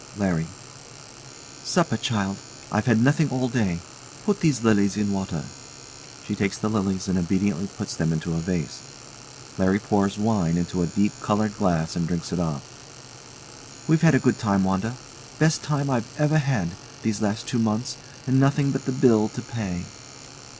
LARRY. Supper, child I've had nothing all day. Put these lilies in water. [She takes the lilies and obediently puts them into a vase. LARRY pours wine into a deep coloured glass and drinks it off.] We've had a good time, Wanda. Best time I ever had, these last two months; and nothing but the bill to pay.